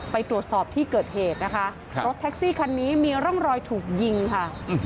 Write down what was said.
ไปตรวจสอบที่เกิดเหตุนะคะรถแท็กซี่คันนี้มีร่องรอยถูกยิงค่ะ